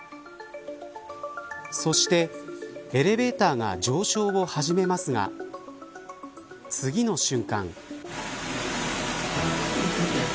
そしてエレベーターが上昇を始めますが次の瞬間。